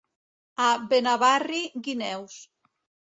A Benavarri, guineus.